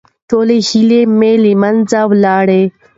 ټولې هيلې مې له منځه ولاړې.